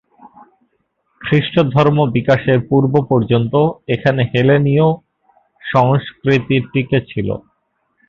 খ্রিস্ট ধর্ম বিকাশের পূর্ব পর্যন্ত এখানে হেলেনীয় সংস্কৃতি টিকে ছিল।